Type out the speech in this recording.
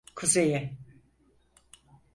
Kuzeye!